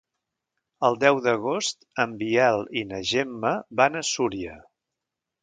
El deu d'agost en Biel i na Gemma van a Súria.